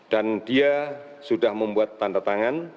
dan dia sudah membuat tanda tangan